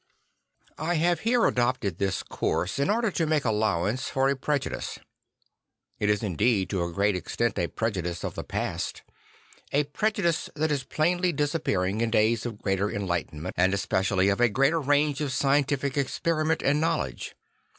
I have here adopted this course in order to make allowance for a prej udice. I t is indeed to a great extent a prejudice of the past; a prejudice that is plainly disappearing in days of greater enlightenment, and especially of a greater range of scientific experiment and knowledge.